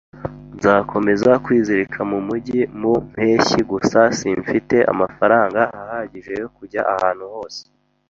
Nzakomeza kwizirika mu mujyi mu mpeshyi. Gusa simfite amafaranga ahagije yo kujya ahantu hose